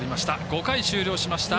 ５回終了しました。